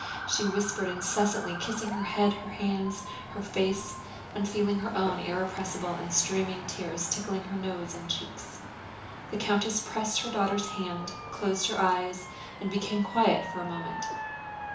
she whispered incessantly, kissing her head, her hands, her face, and feeling her own irrepressible and streaming tears tickling her nose and cheeks. The countess pressed her daughter's hand, closed her eyes, and became quiet for a moment.